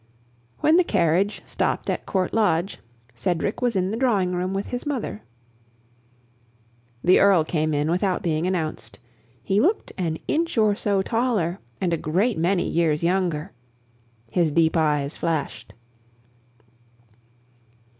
When the carriage stopped at Court Lodge, Cedric was in the drawing room with his mother. The Earl came in without being announced. He looked an inch or so taller, and a great many years younger. His deep eyes flashed.